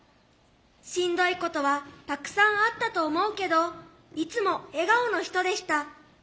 しんどいことはたくさんあったと思うけどいつも笑顔の人でした。